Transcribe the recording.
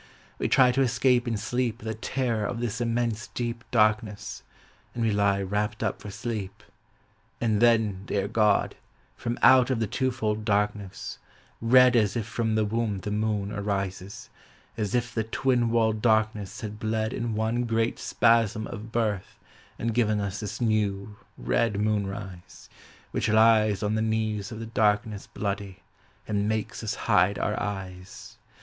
we try To escape in sleep the terror of this immense deep darkness, and we lie Wrapped up for sleep. And then, dear God, from out of the twofold darkness, red As if from the womb the moon arises, as if the twin walled darkness had bled In one great spasm of birth and given us this new, red moon rise Which lies on the knees of the darkness bloody, and makes us hide our eyes.